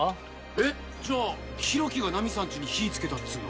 えっじゃあ浩喜がナミさんちに火つけたっつうの？